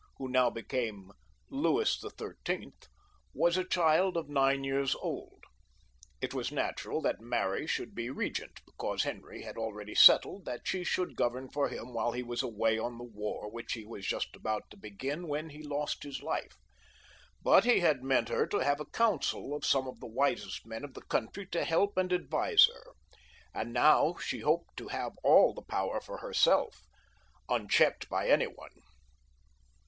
who now became Louis XIII., was a child of nine years old. It was natural that Mary should be regent, because Henry had already settled that she should govern for him while he was away on the war which he was just about to begin at the end of his life ; but he had meant her to have a council of some of the wisest men of the country to help md advise her, and now she hoped to have all the power for herself, unchecked by any one.